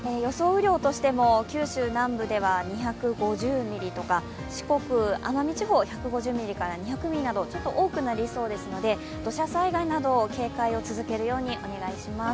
雨量としても九州南部では２５０ミリとか四国・奄美地方、１５０ミリから２００ミリなど多くなりそうですので土砂災害など警戒を続けるようにお願いします。